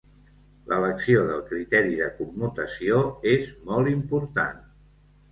L'elecció del criteri de commutació és molt important.